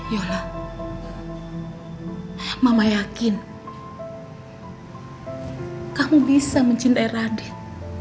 yola mama yakin kamu bisa mencintai radit